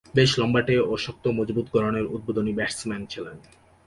বেশ লম্বাটে ও শক্ত-মজবুত গড়নের উদ্বোধনী ব্যাটসম্যান ছিলেন।